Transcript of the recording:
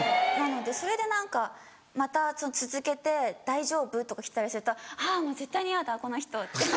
それで何かまた続けて「大丈夫？」とか来たりするとあぁもう絶対にヤダこの人って。